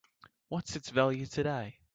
What's its value today?